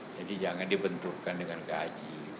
jadi jangan dibenturkan dengan gaji